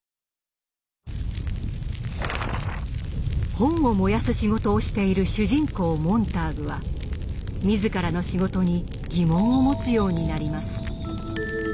本を燃やす仕事をしている主人公モンターグは自らの仕事に疑問を持つようになります。